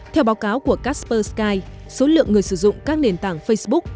theo báo cáo của casper sky số lượng người sử dụng các nền tảng facebook